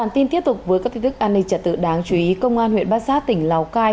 tiếp tục với các thuyết thức an ninh trả tự đáng chú ý công an huyện bát sát tỉnh lào cai